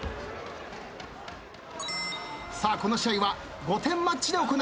さあこの試合は５点マッチで行います。